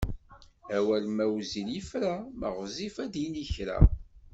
Awal ma wezzil yefra, ma ɣezzif ad d-yini kra.